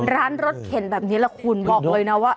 ร้านรสเข็นแล้วว่านะ